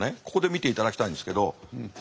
ここで見ていただきたいんですけど。